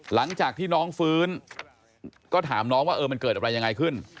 หลังจากที่น้องฟื้นก็ถามน้องว่าเออมันเกิดอะไรยังไงขึ้น